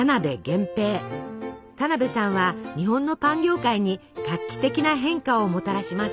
田辺さんは日本のパン業界に画期的な変化をもたらします。